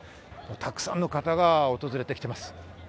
たくさんの方が訪れてきています。